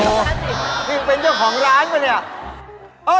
จริงเป็นเจ้าของร้านก็เนี่ย